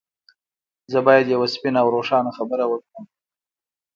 زه بايد يوه سپينه او روښانه خبره وکړم.